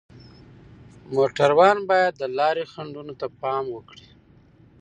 موټروان باید د لارې خنډونو ته پام وکړي.